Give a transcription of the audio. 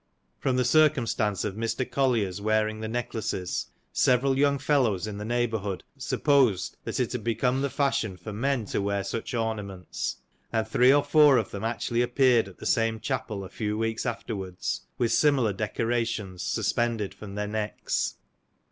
From the circumstance of Mr. Collier's wear ing the necklaces, several young fellows in the neighbourhood supposed that it had become the fashion for men to wear such ornaments ; and three or four of them actually appeared at the same chapel a few weeks afterwards, with similar decorations suspended from their necks.